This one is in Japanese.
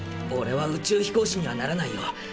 オレは宇宙飛行士にはならないよ。